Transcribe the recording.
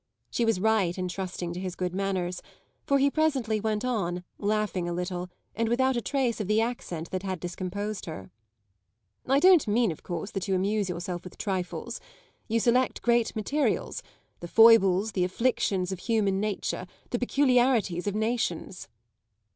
She was right in trusting to his good manners, for he presently went on, laughing a little and without a trace of the accent that had discomposed her: "I don't mean of course that you amuse yourself with trifles. You select great materials; the foibles, the afflictions of human nature, the peculiarities of nations!"